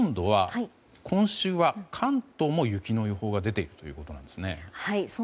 今週は、関東も雪の予報が出ているということですね。